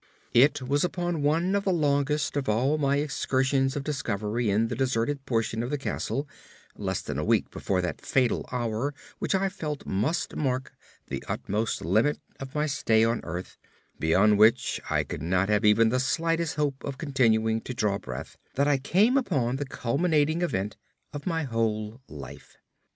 It was upon one of the longest of all my excursions of discovery in the deserted portion of the castle, less than a week before that fatal hour which I felt must mark the utmost limit of my stay on earth, beyond which I could have not even the slightest hope of continuing to draw breath, that I came upon the culminating event of my whole life.